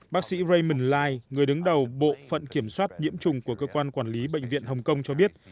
bác sĩ raymond light người đứng đầu bộ phận kiểm soát nhiễm trùng của cơ quan quản lý bệnh viện hồng kông cho biết